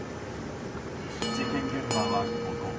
事件現場は、ここ。